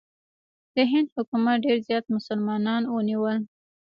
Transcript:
د هند حکومت ډېر زیات مسلمانان ونیول.